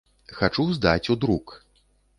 Хачу здаць у друк.